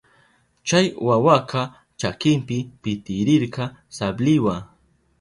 Chay wawaka chakinpi pitirirka sabliwa.